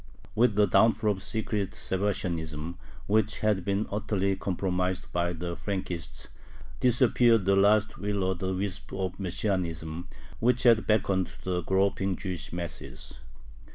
With the downfall of secret Sabbatianism, which had been utterly compromised by the Frankists, disappeared the last will o' the wisp of Messianism, which had beckoned to the groping Jewish masses.